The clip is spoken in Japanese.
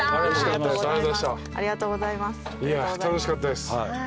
いや楽しかったです。